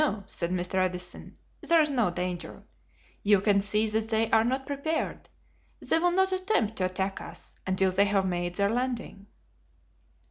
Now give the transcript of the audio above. "No," said Mr. Edison, "there is no danger. You can see that they are not prepared. They will not attempt to attack us until they have made their landing."